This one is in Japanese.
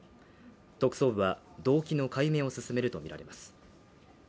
特捜部は動機の解明を進めるとみられます。